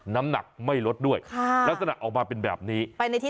น้ำหนักไม่ลดด้วยลักษณะออกมาเป็นแบบนี้